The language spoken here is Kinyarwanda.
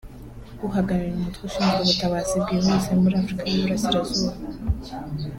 uhagarariye umutwe ushinzwe ubutabazi bwihuse muri Afurika y’Iburasirazuba